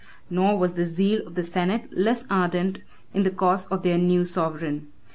Nor was the zeal of the senate less ardent in the cause of their new sovereign.